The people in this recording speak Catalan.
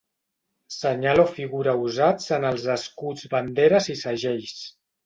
Senyal o figura usats en els escuts, banderes i segells.